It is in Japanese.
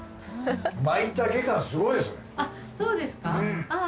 まいたけ感すごいですね。